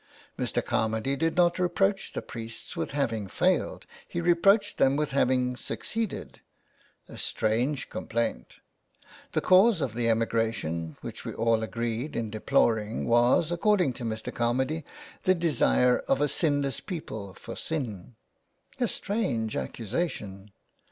Mr. Carmady did not reproach the priests with having failed ; he reproached them with having succeeded. A strange complaint. The cause of the emigration, which we all agreed in deploring, was, according to Mr. Carmady, the desire of a sinless people for sin. A strange accusation.